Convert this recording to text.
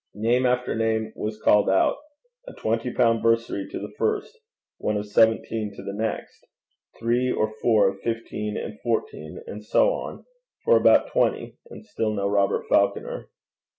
Name after name was called out; a twenty pound bursary to the first, one of seventeen to the next, three or four of fifteen and fourteen, and so on, for about twenty, and still no Robert Falconer.